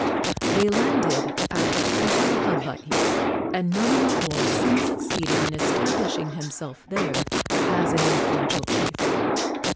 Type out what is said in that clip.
They landed at Kohala, Hawaii, and Nanamaoa soon succeeded in establishing himself there as an influential chief.